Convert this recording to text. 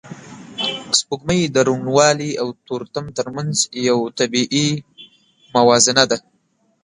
سپوږمۍ د روڼوالی او تورتم تر منځ یو طبیعي موازنه ده